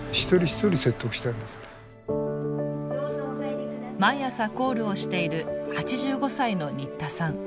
毎朝コールをしている８５歳の新田さん。